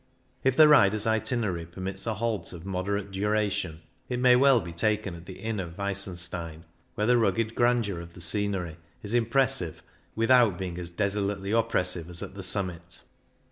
If the rider's itinerary permits a halt of moderate duration, it may well be taken at the Inn of Weissen stein, where the rugged grandeur of the scenery is impressive without being as desolately oppressive as at the summit.